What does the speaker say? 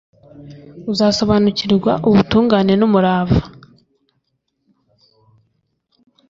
uzasobanukirwa ubutungane n'umurava